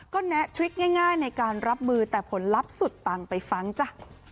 ก็แนะทริคง่ายในการรับมือแต่ผลลัพธ์สุดปังไปฟังจ้ะ